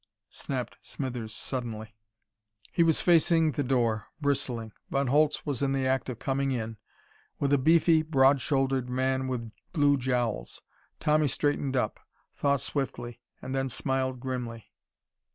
snapped Smithers suddenly. He was facing the door, bristling. Von Holtz was in the act of coming in, with a beefy, broad shouldered man with blue jowls. Tommy straightened up, thought swiftly, and then smiled grimly.